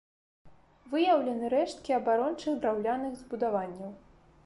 Выяўлены рэшткі абарончых драўляных збудаванняў.